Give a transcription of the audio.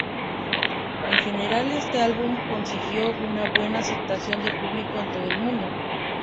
En general, este álbum consiguió una buena aceptación del público en todo el mundo.